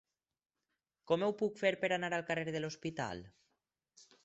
Com ho puc fer per anar al carrer de l'Hospital?